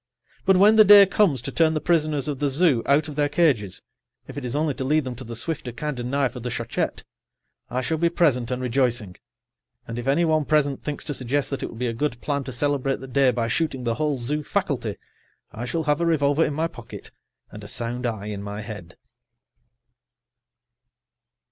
But when the day comes to turn the prisoners of the zoo out of their cages, if it is only to lead them to the swifter, kinder knife of the schochet, I shall be present and rejoicing, and if any one present thinks to suggest that it would be a good plan to celebrate the day by shooting the whole zoo faculty, I shall have a revolver in my pocket and a sound eye in my head.